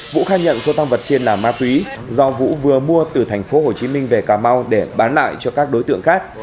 vũ khai nhận số tăng vật trên là ma túy do vũ vừa mua từ thành phố hồ chí minh về cà mau để bán lại cho các đối tượng khác